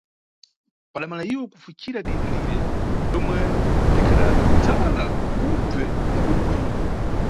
Padamala iwo kufucira dindi lire lomwe likhadadzala ubve mwa bwinobwino.